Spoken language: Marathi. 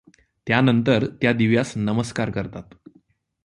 त्यानंतर त्या दिव्यास नमस्कार करतात.